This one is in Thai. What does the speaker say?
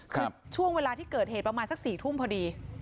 คือช่วงเวลาที่เกิดเหตุประมาณสัก๔ทุ่มพอดี